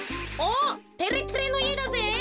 てれてれのいえだぜ。